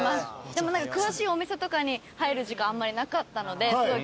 でも詳しいお店とかに入る時間あんまりなかったのですごい